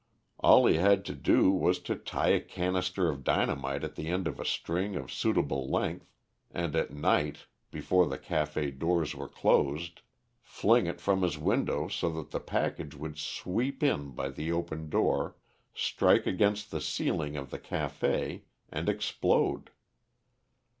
All he had to do was to tie a canister of dynamite at the end of a string of suitable length, and at night, before the café doors were closed, fling it from his window so that the package would sweep in by the open door, strike against the ceiling of the café, and explode.